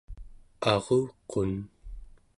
aruqun